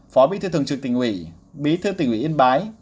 phó bí thư thường trực tỉnh ủy bí thư tỉnh ủy yên bái